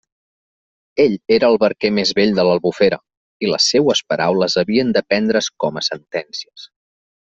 Ell era el barquer més vell de l'Albufera, i les seues paraules havien de prendre's com a sentències.